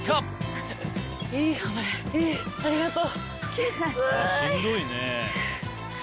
ありがとう。